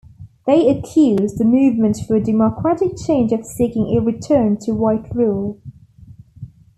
They accuse the Movement for Democratic Change of seeking a return to white rule.